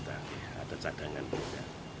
ada cadangan juga